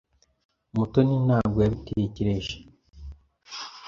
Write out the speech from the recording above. Mutoni ntabwo yabitekereje.